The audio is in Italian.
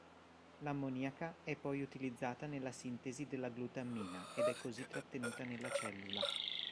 L'ammoniaca è poi utilizzata nella sintesi della glutammina ed è così trattenuta nella cellula.